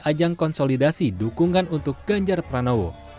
ajang konsolidasi dukungan untuk ganjar pranowo